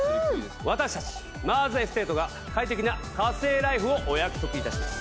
私たちマーズエステートが快適な火星ライフをお約束いたします。